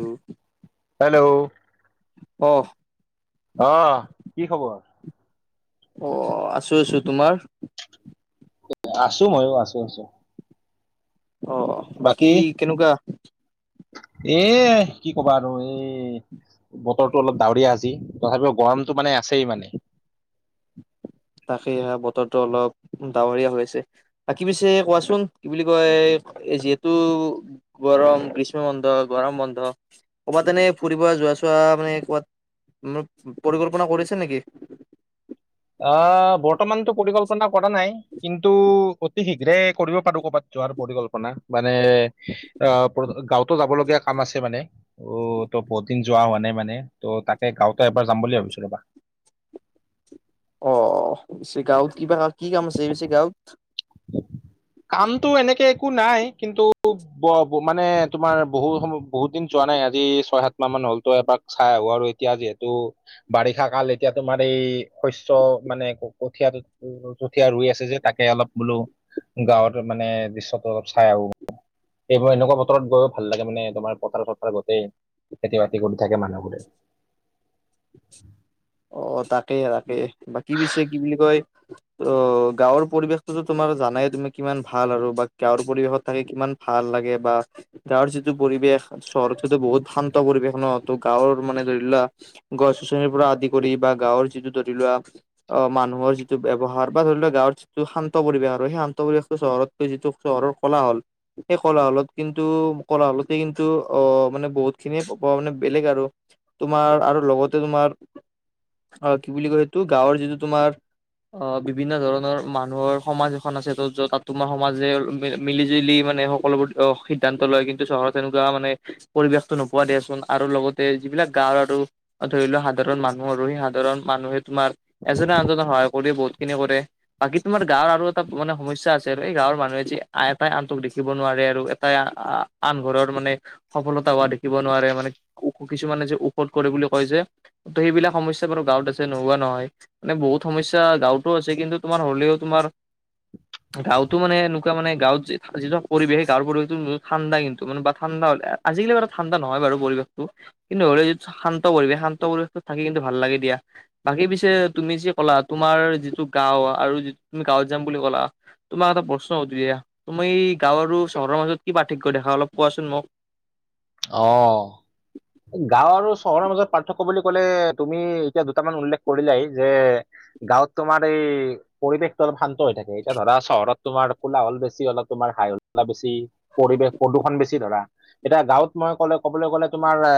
উম hello অ অঁ কি খবৰ? অ আছো আছো। তোমাৰ? আছো ময়ো আছো আছো। অ বাকী কেনেকুৱা? এ কি ক'বা আৰু এ বতৰটো অলপ ডাৱৰীয়া আজি তথাপিও গৰমটো মানে আছেই মানে। তাকেই বতৰটো অলপ ডাৱৰীয়া হৈ আছে। বাকী পিছে কোৱা চোন কি বুলি কয় এ যিহেতু গৰম গ্ৰীষ্ম বন্ধ, গৰম বন্ধ ক'ৰবাত এনেই ফুৰিব যোৱা চোৱা মানে ক'ৰবাত এনেই পৰিকল্পনা কৰিছে নেকি? আহ বৰ্তমানতো পৰিকল্পনা কৰা নাই কিন্তু অতি শীঘ্ৰে কৰিব পাৰোঁ কৰ'বাত যোৱাৰ পৰিকল্পনা মানে আহ গাঁৱতো যাবলগীয়া কাম আছে মানে। অ ত' বহুত দিন যোৱা হোৱা নাই মানে ত' তাকে গাঁৱতে এবাৰ যাম বুলি ভাবিছো ৰ'বা। অ! পিছে গাঁৱত কিবা কি কাম আছে পিছে গাঁৱত? কামটো এনেকে একো নাই কিন্তু ব মানে তোমাৰ বহু সময় বহুত দিন যোৱা নাই আজি ছয়, সাত মাহ মান হ'ল ত এপাক চাই আহো আৰু এতিয়া যিহেতু বাৰিষা কাল এতিয়া তোমাৰ এই শস্য মানে কঠিয়াটো কঠিয়া ৰুই আছে যে তাকে অলপ বোলো গাঁৱত মানে দৃশ্যটো অলপ চাই আহোঁ। এইবোৰ এনেকুৱা বতৰত গৈও ভাল লাগে মানে তোমাৰ পথাৰ-চথাৰ গোটেই খেতি-বাতি কৰি থাকে মানুহবোৰে। অ! তাকে-তাকে বাকী পিছে কি বুলি কয় ত গাঁৱৰ পৰিৱেশটো তোমাৰ জানাই তুমি কিমান ভাল আৰু বা গাঁৱৰ পৰিৱেশত থাকি কিমান ভাল লাগে বা গাঁৱৰ যিটো পৰিৱেশ চহৰটো বহুত শান্ত পৰিৱেশ ন ত গাঁৱৰ মানে ধৰি লোৱা গছ-গছনিৰ পৰা আদি কৰি বা গাঁৱৰ যিটো ধৰি লোৱা অ মানুহৰ যিটো ব্যৱহাৰ বা ধৰি লোৱা গাঁৱৰ যিটো শান্ত পৰিৱেশ আৰু সেই শান্ত পৰিৱেশটো চহৰত এইটো যিটো চহৰৰ কোলাহল সেই কলাহলত কিন্তু কলাহলতে কিন্তু আহ মানে বহুতখিনিয়ে মানে বেলেগ আৰু। তোমাৰ আৰু লগতে তোমাৰ অ কি বুলি কয় সেইটো গাঁৱৰ যিটো তোমাৰ অঁ! বিভিন্ন ধৰণৰ মানুহৰ সমাজ এখন আছে ত য'ত তাত তোমাৰ সমাজে মিলিজুলি মানে হ সকলোবোৰ সিদ্ধান্ত লয় কিন্তু চহৰত তেনেকুৱা মানে পৰিৱেশটো নোপোৱা দিয়া চোন আৰু লগত তে যিবিলাক গাঁওৰ আৰু ধৰি লোৱা সাধাৰণ মানুহ মানুহ আৰু সি সাধাৰণ মানুহে তোমাৰ এজনে আনজনক সহায় কৰি বহুতখিনি কৰে। বাকী তোমাৰ গাঁৱৰ আৰু এটা মানে সমস্যা আছে আৰু এই গাঁৱৰ মানুহে যে এটাই আনটোক দেখিব নোৱাৰে আৰু এটাই আহ আন ঘৰৰ মানে সফলতা হোৱা দেখিব নোৱাৰে মানে কিছুমানে যে ঔষধ কৰে বুলি কয় যে। ত' সেইবিলাক সমস্যা বাৰু গাঁৱত আছে নোহোৱা নহয়। মানে বহুত সমস্যা গাঁৱতো আছে কিন্তু তোমাৰ হ'লেও তোমাৰ। [inaudible] গাঁৱতো মান এনেকুৱা মানে গাঁৱত যিটো পৰিৱেশেই গাঁৱৰ পৰিৱেশটো বহুত ঠাণ্ডা কিন্তু মানে বা ঠাণ্ডা হ আজিকালি বাৰু ঠাণ্ডা নহয় বাৰু পৰিৱেশটো কিন্তু হ'লে শান্ত পৰিৱেশ শান্ত পৰিৱেশত থাকি কিন্তু ভাল লাগে দিয়া। বাকী পিছে তুমি যি ক'লা তোমাৰ যিটো গাঁও আৰু যি তুমি গাঁৱত যাম বুলি ক'লা। তোমাক এটা প্ৰশ্ন সুধো দিয়া তুমি গাঁও আৰু চহৰৰ মাজত কি পাৰ্থক্য দেখা অলপ কোৱা চোন মোক? অঁ! গাওঁ আৰু চহৰৰ মাজত পাৰ্থক ক্য বুলি ক'লে তুমি এতিয়া দুটামান উল্লেখ কৰিলাই যে গাঁৱত তোমাৰ এই পৰিৱেশটো অলপ শান্ত হৈ থাকে এতিয়া ধৰা চহৰত তোমাৰ কোলাহল বেছি অলপ তোমাৰ হাই শুলা বেছি। পৰিৱেশ প্ৰদূষণ বেছি ধৰা এতিয়া গাঁৱত মই ক'লে ক'বলৈ গ'লে তোমাৰ এ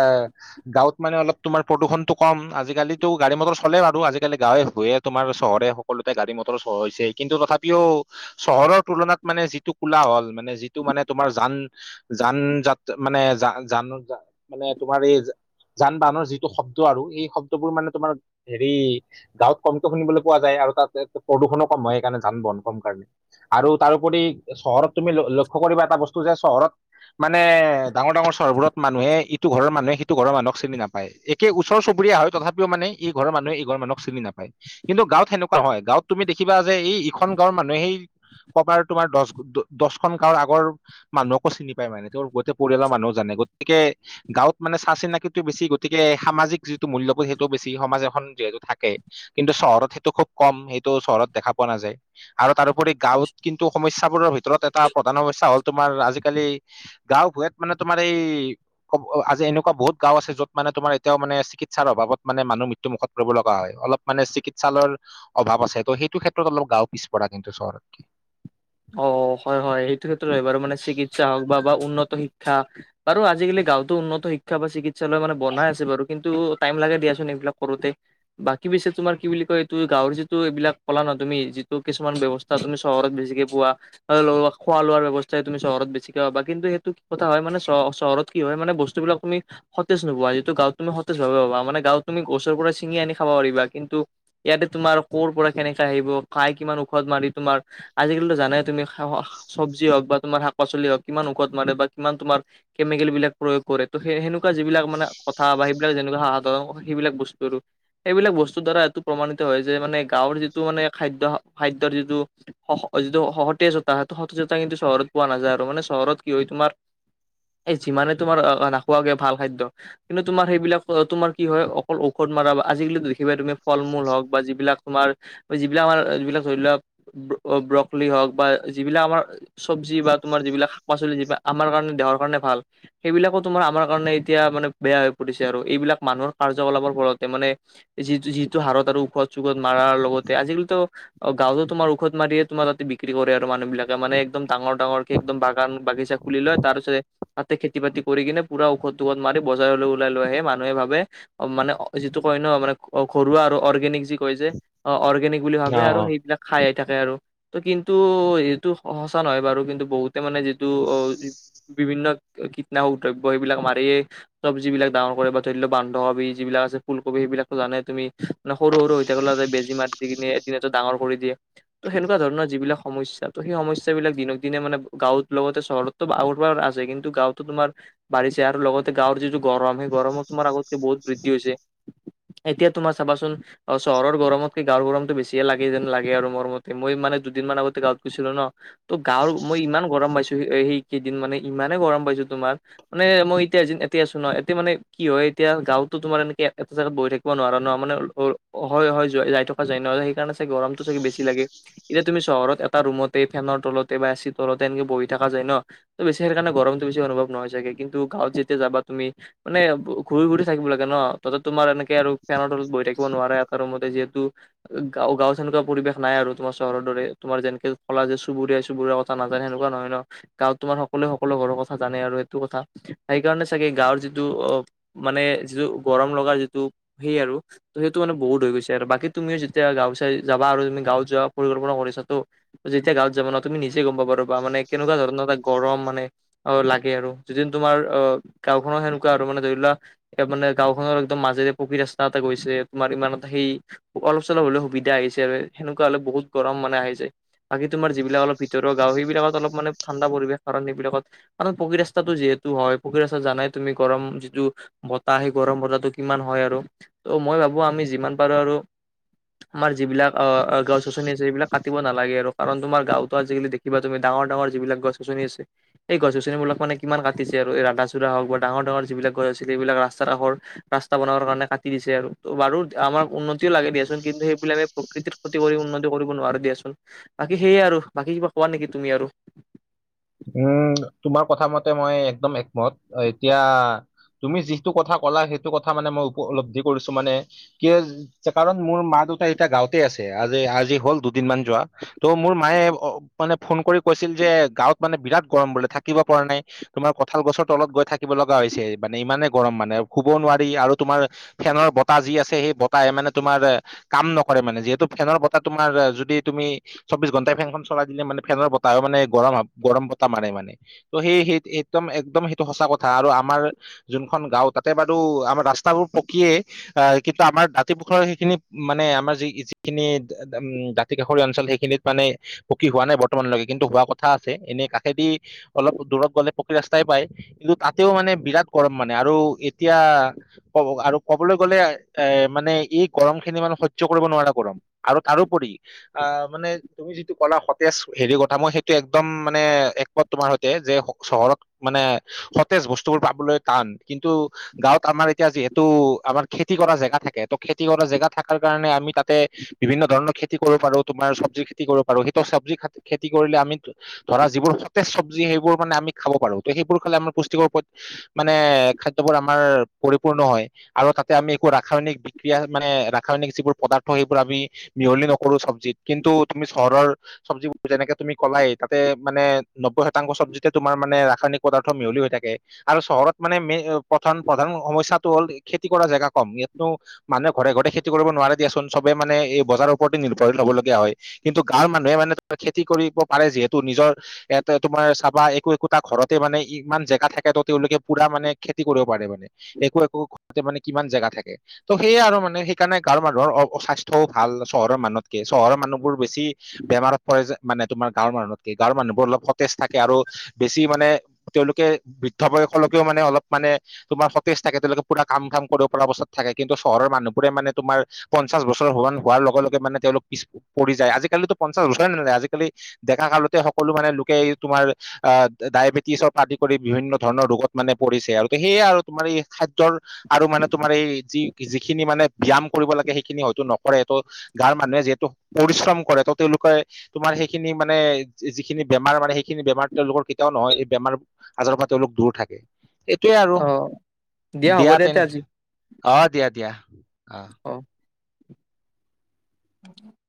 গাঁৱত মানে অলপ তোমাৰ প্ৰদূষণটো কম আজিকালিতো গাড়ী মটৰ চলে বাৰু আজিকালি গাঁৱে ভূঞে তোমাৰ চহৰে হওক। সকলোতে গাড়ী মটৰ চলোৱা হৈছে। কিন্তু তথাপিও- চহৰৰ তুলনাত মানে যিটো কোলাহল মানে যিটো মানে তোমাৰ যান- যান -যাত মানে যা- যান মানে তোমাৰ এই- যান- বাহনৰ যিটো শব্দ আৰু এই শব্দবোৰ মানে তোমাৰ হেৰি- গাঁৱত কমকৈ শুনিবলৈ পোৱা যায় আৰু তাত প্ৰদূষণো কম হয়। সেইকাৰণে যান- বাহন কম কাৰণে- আৰু তাৰোপৰি চহৰত তুমি লক্ষ্য কৰিবা এটা বস্তু যে চহৰত- মানে ডাঙৰ ডাঙৰ- চহৰবোৰত মানুহে ইটো ঘৰ মানুহে সিটোৰ মানুহক চিনি নাপায়, একে ওচৰ চবুৰীয়া হয়। তথাপিও মানে- এই ঘৰ মানুহে সি ঘৰ মানুহক চিনি নাপায়। কিন্তু গাঁৱত সেনেকুৱা নহয়, গাঁৱত তুমি দেখিবা যে এইখন গাঁৱৰ মানুহে- কবাৰ তোমাৰ দ- দহখন গাঁৱৰ আগৰ মানুহকো চিনি পায় মানে তোৰ গোটেই পৰিয়ালৰ মানুহ- জানে। গতিকে- গাঁৱত মানে চাহ -চিনাকি বেছি। গতিকে সামাজিক যিটো মূল্যবোধ সেইটোও বেছি সমাজ এখন যিহেতু থাকে। কিন্তু চহৰত সেইটো খুব কম, সেইটো চহৰত দেখা পোৱা নাযায়। আৰু তাৰোপৰি গাঁৱত কিন্তু সমস্যাবোৰৰ ভিতৰত এটা প্ৰধান সমস্যা হ'ল তোমাৰ আজিকালি- গাঁও- ভূঞত মানে তোমাৰ এই- আজি এনেকুৱা বহুত গাঁও আছে য'ত মানে তোমাৰ এতিয়াও মানে চিকিৎসাৰ অভাৱত মানে মানুহ- মৃত্যু মুখত পৰিব লগা হয়। অলপ মানে চিকিৎসালয়ৰ- অভাৱ আছে। ত' সেইটো ক্ষেত্ৰত অলপ গাওঁ পিছপৰা কিন্তু চহৰ- অঁ, হয় -হয় সেইটো ক্ষেত্ৰত হয় বাৰু মানে চিকিৎসা হওঁক বা- বা উন্নত শিক্ষা। বাৰু আজিকালি গাঁওতো উন্নত শিক্ষা বা চিকিৎসালয় মানে বনাই আছে বাৰু কিন্তু টাইম লাগে দিয়াচোন এইবিলাক কৰোতে। বাকী বেছি তোমাৰ কি বুলি কয়? এইটো গাঁৱৰ যিটো এইবিলাক ক'লা ন, তুমি যিটো কিছুমান ব্যৱস্থা তুমি চহৰত বেছিকে- খোৱা- লোৱাৰ ব্যৱস্থাই তুমি চহৰত বেছিকে পাবা। কিন্তু সেইটো কি কথা হয়? মানে চহৰত- কি হয়? মানে বস্তুবিলাক তুমি- সতেজ হোৱা যিটো গাঁও তুমি সতেজ পাবা মানে গাঁওত তুমি গছৰ পৰা ছিঙি আনি খাব পাৰিবা। কিন্তু- ইয়াতে তোমাৰ কৰ পৰা কেনেকে আহিব, খাই কিমান ঔষধ মাৰি তোমাৰ! আজিকালিতো- জানে তুমি খা চব্জি হওঁক বা তোমাৰ শাক -পাচলি হওঁক কিমান ঔষধ মাৰে বা কিমান তোমাৰ- কেমিকেল বিলাক প্ৰয়োগ কৰে! ত সেই সেনেকুৱা যিবিলাক মানে কথা বা সেইবিলাক যেনেকুৱা সেই সাধাৰণ সেইবিলাক বস্তু আৰু। এইবিলাক বস্তুৰ দ্বাৰা এইটো প্ৰমাণিত হয় যে মানে গাঁৱৰ যিটো মানে খাদ্য খাদ্যৰ যিটো- স-স যিটো সতেজতা সেইটো সতেজতা কিন্তু চহৰত পোৱা নাযায় আৰু মানে চহৰত কি হয়? তোমাৰ- এই যিমানে তোমাৰ অঁ, নাখোৱাগে ভাল খাদ্য- কিন্তু তোমাৰ সেইবিলাক তোমাৰ কি হয়? অকল ঔষধ মাৰা বা আজিকালিতো দেখিবা তুমি ফল মূল হওঁক বা যিবিলাক তোমাৰ- যিবিলাক আমাৰ যিবিলাক ধৰি লোৱা ব- লি হওঁক বা যিবিলাক আমাৰ চব্জি বা তোমাৰ যিবিলাক শাক -পাচলি যিবিলাক আমাৰ কাৰণে দেহৰ কাৰণে ভাল। সেইবিলাকো তোমাৰ আমাৰ কাৰণে এতিয়া মানে বেয়া হৈ পৰিছে আৰু এইবিলাক মানুহৰ কাৰ্যকলাপৰ ফলতে মানে- যিটো- যিটো হাৰত আৰু ঔষধ- চুখধ মাৰাৰ লগতে আজিকালিতো গাঁৱতো তোমাৰ ঔষধ মাৰিয়ে- তোমাৰ তাতে বিক্ৰী কৰে আৰু মানুহ বিলাকে মানে একদম ডাঙৰ ডাঙৰকে একদম বাগান বাগিচা খুলি লয় তাৰপিছত- তাতে খেতি -বাতি কৰি কিনে পুৰা ঔষধ-চুখধ মাৰি বজাৰলৈ ওলাই লৈ আহে। মানুহে ভাবে- অঁ, মানে যিটো কয় ন মানে ঘৰুৱা আৰু অৰ্গেনিক যি কয় যে! অঁ, অৰ্গেনিক- বুলি অ ভাবে আৰু অ সেইবিলাক খাইে থাকে আৰু। ত কিন্তু সেইটো সঁচা নহয় বাৰু। কিন্তু বহুতে মানে যিটো অঁ- বিভিন্ন কীটনাশক দ্ৰব্য সেইবিলাক মাৰিয়েই- চব্জি বিলাক ডাঙৰ কৰে বা ধৰি লওঁক বান্ধ কবি যিবিলাক আছে ফুলকবি, সেইবিলাকো জানে তুমি! ন সৰু -সৰু হৈ থাকাতে বেজি মাৰি দি কিনে এদিন এটা ডাঙৰ কৰি দে। ত সেই - তেনেকুৱা ধৰণৰ যিবিলাক সমস্যা, ত সেই সমস্যা বিলাক দিনক দিনে মানে গাঁৱত লগতে চহৰততো আগৰ পৰা আছে। কিন্তু গাঁৱত- তোমাৰ বাঢ়িছে আৰু লগতে গাঁৱৰ যিটো গৰম সেই গৰমত তোমাৰ আগতকে বহুত বৃদ্ধি হৈছে। এতিয়া তোমাৰ চাবাচোন অ চহৰৰ গৰমতকে গাঁৱৰ গৰমতটো বেছিয়ে লাগে যেন লাগে আৰু গৰমত। তে মই মানে দুদিনমান আগতে গাঁৱত গৈছিলো ন। ত গাঁৱৰ মই ইমান গৰম পাইছো সেই কেইদিন মানে ইমানে গৰম পাইছো তোমাৰ। মানে মই এতিয়া এতিয়া আছো ন এতিয়া মানে কি হয় এতিয়া গাঁওতো তোমাৰ এনেকে এটা জেগাত বহি থাকি! ব নোৱাৰা ন মানে অ হয় হয় যাই থকা যায় নহ সেইকাৰণে চাগে গৰমতটো চাগে বেছি লাগে। এতিয়া তুমি চহৰত এটা ৰুমতে ফেনৰ তলতে বা এচি তলতে এনেকে বহি থাকা যায় ন। বেছি সেইকাৰণে গৰমটো বেছি অনুভৱ নহয় চাগে কিন্তু গাঁৱত যেতিয়া যাবা তুমি। মানে ঘূৰি ঘুৰি থাকিব লাগে ন তাতে তোমাৰ এনেকে আৰু ফেনৰ তলত বহি থাকিব নোৱাৰে এটা ৰূমতে যিহেতু। গা গাঁওত এনেকুৱা পৰিৱেশ নাই আৰু। তোমাৰ চহৰ দৰে তোমাৰ যেনেকে কলা যে চুবুৰীয়া চুবুৰীয়া কথা নাজানে হেনেকুৱা নহয় ন। গাঁৱত তোমাৰ সকলোৱে সকলো ঘৰৰ কথা জানে আৰু সেইটো কথা সেইকাৰণে চাগে গাঁৱৰ যিটো অ! মানে যিটো গৰম লগাৰ যিটো সেই আৰু- ত সেইটো মানে বহুত হৈ গৈছে আৰু বাকী তুমি যেতিয়া গাঁও চাই যাবা তুমি গাঁওত যোৱা। পৰিকল্পনা কৰিছা তো যেতিয়া গাঁৱত যাবা ন তুমি নিজে গম পাবা মানে কেনেকুৱা ধৰণৰ তাক। গৰম মানে অহ লাগে আৰু যিদিন তোমাৰ অঁহ গাওঁখনৰ সেনেকুৱা আৰু মানে ধৰিলোৱা। এ মানে গাঁওখনৰ একদম মাজেৰে পকী ৰাস্তা এটা গৈছে তোমাৰ ইমান এটা সেই! অলপ চলপ হলে সুবিধা আহিছে আৰু সেনেকুৱা হলে বহুত গৰম মানে আহি যায় বাকি তোমাৰ যিবিলাক অলপ ভিতৰৰ। গাঁও সেইবিলাকত অলপ মানে ঠাণ্ডা পৰিবেশ কাৰণ এইবিলাকত। কাৰ পকী ৰাস্তাটো যিহেতু হয় পকী ৰাস্তা জানাই তুমি গৰম যিটো! বতাহ আহেই গৰম বতাহটো কিমান হয় আৰু ত' মই ভাবো আমি যিমান পাৰো আৰু! আমাৰ যিবিলাক অ গছ গছনি। এইবিলাক কাটিব নালাগে আৰু কাৰণ তোমাৰ গাঁওত আজিকালি দেখিবা তুমি ডাঙৰ যিবিলাক গছ গছনি আছে। এই গছ গছনিবিলাক মানে কিমান কাটিছে আৰু ৰাধা চূড়া হওক বা ডাঙৰ যিবিলাক গছ আছিলে সেইবিলাক ৰাস্তাৰ কাষৰ! ৰাস্তা বনাবৰ কাৰণে কাটি দিছে আৰু ত বাৰু আমাৰ উন্নতি! উন্নতি লাগেই দিয়াচোন কিন্তুে সেইবিলাক প্ৰকৃতি ক্ষতি কৰি উন্নতি! কৰিব নোৱাৰে দিয়াচোন বাকী সেয়েই আৰু বাকী কিবা কোৱা নেকি তুমি আৰু! উমঁ তোমাৰ কথা মতে মই একদম একমত এতিয়া! তুমি যিটো কথা কলা সেইটো কথা মানে মই উপলব্ধি কৰিছো মানে। কিয় কাৰণ মোৰ মা দেউতা এতিয়া গাওঁতে আছে আজি আজি হ'ল দুদিনমান যোৱা। ত' মোৰ মায়ে মানে ফোন কৰি কৈছিল যে গাঁৱত মানে বিৰাট গৰম বোলে থাকিব পৰা নাই। তোমাৰ কঁঠাল গছৰ তলত গৈ থাকিব লগা হৈছে মানে ইমানে গৰম মানে শুব নোৱাৰি আৰু তোমাৰ! ফেনৰ বতাহ যি আছে সেই বতাহ মানে তোমাৰ! কাম নকৰে মানে যিহেতু ফেনৰ বতাহ তোমাৰ যদি তুমি! চৌবিশ ঘণ্টাই ফেনখন চলাই দিলে মানে ফেনৰ বতাহো মানে গৰম গৰম বতাহ মাৰে মানে। ত' সেই সেই একদম একদম সেইটো সঁচা কথা আৰু আমাৰ! যোনখন গাঁও তাতে বাৰু আমাৰ ৰাস্তাবোৰ পকিয়ে। আহ কিন্তু আমাৰ দাঁতিপোখুৰৰ সেইখিনি মানে আমাৰ যি যিখিনি! কাষৰীয়া অঞ্চল সেইখিনিত মানে পকী হোৱা নাই বৰ্তমানলৈকে কিন্তু হোৱা কথা! আছে এনেই কাষেদি অলপ দূৰত গ'লে পকী ৰাস্তাই পায়। কিন্তু তাতেও মানে বিৰাট গৰম মানে আৰু এতিয়া! কব আৰু ক'বলৈ গ'লে এ মানে এই গৰম খিনি মানে সয্য কৰিব নোৱাৰা গৰম। আৰু তাৰোপৰি আহ মানে তুমি যিটো কলা সতেজ হেৰি কথা মই সেইটোৱে এক। একদম মানে একমত তোমাৰ সৈতে যে চহৰত মানে! সতেজ বস্তুবোৰ পাবলৈ টান কিন্তু! গাঁৱত আমাৰ এতিয়া যিহেতু, আমাৰ খেতি কৰা জেগা থাকে। ত' খেতি কৰা জেগা থাকাৰ কাৰণে আমি তাতে বিভিন্ন ধৰণৰ খেতি কৰিব পাৰো। তোমাৰ চব্জিৰ খেতি কৰিব পাৰো। সেইটো চব্জি খেতি কৰিলে আমিটো ধৰা যিবোৰ সতেজ চব্জি, সেইবোৰ মানে আমি খাব পাৰো। সেইবোৰ খালে আমাৰ পুষ্টিকৰ ওপৰত মানে খাদ্যবোৰ আমাৰ পৰিপূৰ্ণ হয়। আৰু তাতে আমি একো ৰাসায়নিক বিক্ৰিয়া মানে, ৰাসায়নিক যিবোৰ পদাৰ্থ সেইবোৰ আমি মিহলি নকৰো চব্জিত। কিন্তু তুমি চহৰৰ চব্জিবোৰ যেনেকে তুমি ক'লাই। তাতে মানে নব্বৈ শতাংশ চব্জিতে তোমাৰ মানে ৰাসায়নিক পদাৰ্থ মিহলি হৈ থাকে। আৰু চহৰত মানে মেই প্ৰধান- প্ৰধান সমস্যাটো হ'ল খেতি কৰা জেগা কম। ইয়াতনো মানুহে ঘৰে- ঘৰে খেতি কৰিব নোৱাৰে দিয়াচোন। চবে মানে এই বজাৰৰ ওপৰতে নিৰ্ভৰশীল হ'বলগীয়া হয়। কিন্তু গাঁৱৰ মানুহে মানে তাৰ খেতি কৰিব পাৰে যিহেতু। তু, নিজৰ এটা তোমাৰ চাবা একো একোটা ঘৰতে মানে ইমান জেগা থাকে। তেওঁলোকে পুৰা মানে খেতি কৰিব পাৰে মানে। একো- একো ঘৰতে মানে কিমান জেগা থাকে। ত' সেইয়ে আৰু মানে সেইকাৰণে গাঁৱৰ মানুহৰ অ, স্বাস্থ্যও ভাল, চহৰৰ মানুহতকে চহৰৰ মানুহবোৰ বেছি বেমাৰত পৰে। মানে তোমাৰ গাঁৱৰ মানুহতকে গাঁৱৰ মানুহবোৰ অলপ সতেজ থাকে আৰু। বেছি মানে তেওঁলোকে বৃদ্ধ বয়সলৈকেও মানে অলপ মানে তোমাৰ সতেজ থাকে। তেওঁলোকে পুৰা কাম- ঘাম কৰিব পৰা অৱস্থাত থাকে। কিন্তু চহৰ মানুহবোৰে মানে তোমাৰ পঞ্চাশ বছৰ হোৱান হোৱাৰ লগে- লগে মানে তেওঁলোক পিছ পৰি যায়। আজিকালিতো পঞ্চাশ বছৰে নেযায়। আজিকালি ডেকা কালতে সকলো মানে লোকে এই তোমাৰ আহ, ডায়েবেটিছৰ আদি কৰি বিভিন্ন ধৰণৰ ৰোগত মানে পৰিছে। আৰু সেয়ে আৰু তোমাৰ এই খাদ্যৰ আৰু মানে তোমাৰ এই যি যিখিনি মানে ব্যয়ায়াম কৰিব লাগে। সেইখিনি হয়তো নকৰে ত গাঁৱৰ মানুহে যিহেতু, পৰিশ্ৰম কৰে। ত' তেওঁলোকে তোমাৰ সেইখিনি মানে যিখিনি বেমাৰ মানে, সেইখিনি বেমাৰ তেওঁলোকৰ কেতিয়াও নহয়। এই বেমাৰ- আজাৰৰ পৰা তেওঁলোক দূৰ থাকে। এইটোয়ে আৰু, অ হ'ব দিয়া দে তেন তে আজি অ, দিয়া- দিয়া অ। [unintelligible]